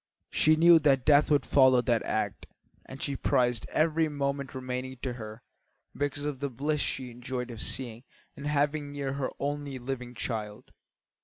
She knew that death would follow that act, and she prized every moment remaining to her because of the bliss she enjoyed of seeing and having near her her only living child.